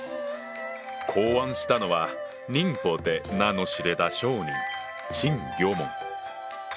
考案したのは寧波で名の知れた商人陳魚門。